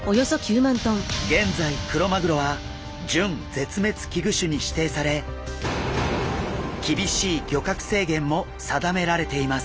現在クロマグロは準絶滅危惧種に指定され厳しい漁獲制限も定められています。